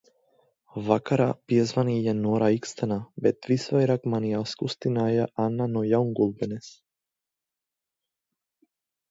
Vakarā piezvanīja Nora Ikstena, bet visvairāk mani aizkustinājā Anna no Jaungulbenes.